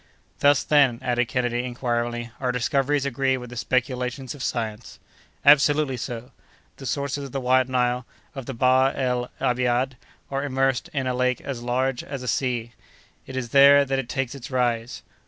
"Thus, then," added Kennedy, inquiringly, "our discoveries agree with the speculations of science." "Absolutely so. The sources of the White Nile, of the Bahr el Abiad, are immersed in a lake as large as a sea; it is there that it takes its rise.